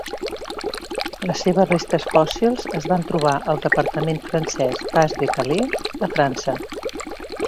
Les seves restes fòssils es van trobar al departament francés Pas de Calais, a França.